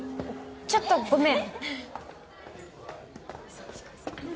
ちょっとごめん